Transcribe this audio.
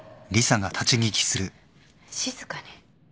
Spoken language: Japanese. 静かに